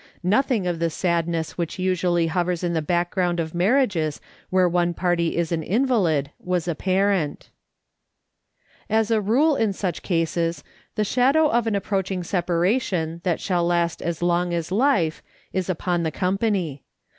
Nothing of the sadness which usually hovers in the background of marriages where one party is an invalid was apparent. As a rule in such cases, the shadow of an approach ing, separation that shall last as long as life, is upon the company.